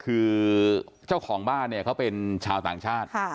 คือเจ้าของบ้านเป็นชาวต่างชาติ